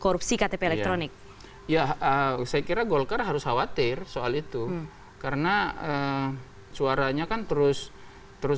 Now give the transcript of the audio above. korupsi ktp elektronik ya saya kira golkar harus khawatir soal itu karena suaranya kan terus terus